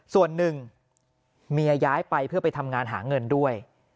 ส่วนหนึ่งเมียย้ายไปเพื่อไปทำงานหาเงินด้วย